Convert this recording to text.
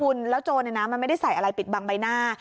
คุณแล้วโจรมันไม่ได้ใส่อะไรปิดบังใบหน้า